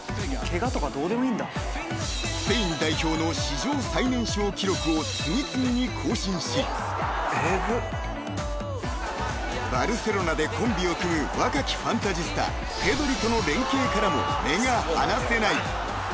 ［スペイン代表の史上最年少記録を次々に更新しバルセロナでコンビを組む若きファンタジスタペドリとの連携からも目が離せない］